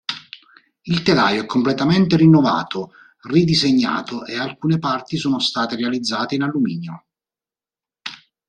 Il telaio è completamente rinnovato, ridisegnato e alcune parti sono state realizzate in alluminio.